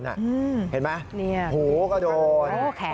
เห็นไหมหูก็โดน